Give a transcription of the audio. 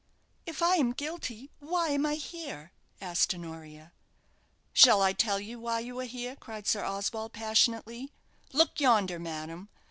"If I am guilty, why am I here?" asked Honoria. "Shall I tell you why you are here?" cried Sir Oswald, passionately, "Look yonder, madam!